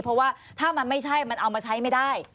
เพราะว่าถ้ามันไม่ใช่มันเอามาใช้ไม่ได้